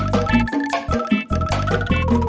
mak baru masuk